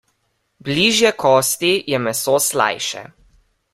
Bližje kosti je meso slajše.